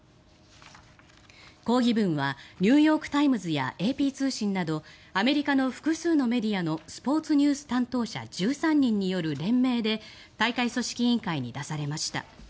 抗議文はニューヨーク・タイムズやＡＰ通信などアメリカの複数のメディアのスポーツニュース担当者１３人による連名で大会組織委員会に出されました。